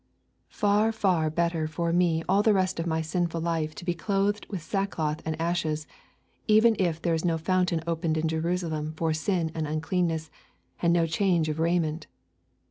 Far far better for me all the rest of my sinful life to be clothed with sackcloth and ashes, even if there is no fountain opened in Jerusalem for sin and uncleanness, and no change of raiment.